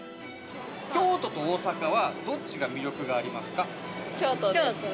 京都と大阪は、どっちが魅力京都です。